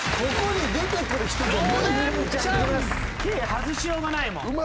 Ｋ外しようがないもん。